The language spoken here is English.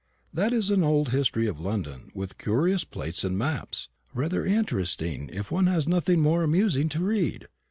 "That is an old history of London, with curious plates and maps; rather interesting if one has nothing more amusing to read.